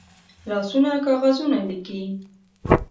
لاسونه کاغذونه لیکي